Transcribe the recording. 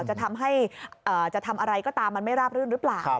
จะทำให้จะทำอะไรก็ตามมันไม่ราบรื่นหรือเปล่า